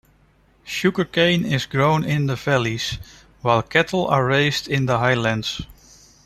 Sugar cane is grown in the valleys, while cattle are raised in the highlands.